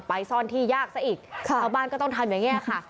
ซ่อนที่ยากซะอีกชาวบ้านก็ต้องทำอย่างนี้ค่ะ